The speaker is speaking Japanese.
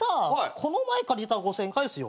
この前借りた５，０００円返すよ。